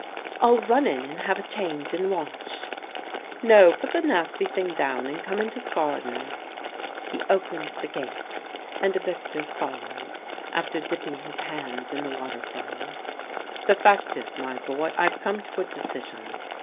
"I'll run in and have a change and wash." "No; put the nasty thing down and come into the garden." He opened the gate, and Victor followed, after dipping his hands in the waterfall. "The fact is, my boy, I've come to a decision.